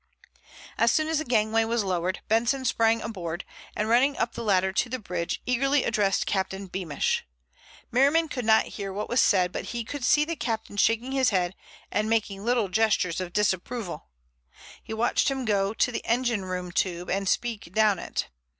As soon as the gangway was lowered, Benson sprang aboard, and running up the ladder to the bridge, eagerly addressed Captain Beamish. Merriman could not hear what was said, but he could see the captain shaking his head and making little gestures of disapproval. He watched him go to the engine room tube and speak down it.